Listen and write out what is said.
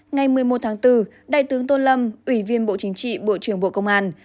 ngày một mươi một tháng bốn đại tướng tô lâm ủy viên bộ chính trị bộ trưởng bộ công an